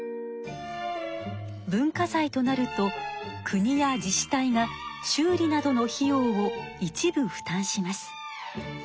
文化財となると国や自治体が修理などの費用を一部負担します。